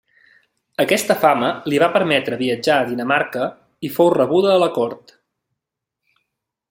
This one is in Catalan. Aquesta fama li va permetre viatjar a Dinamarca i fou rebuda a la cort.